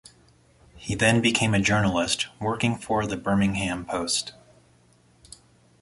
He then became a journalist, working for the "Birmingham Post".